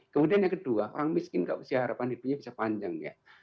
kemudian yang kedua orang miskin kok usia harapan hidupnya bisa panjang ya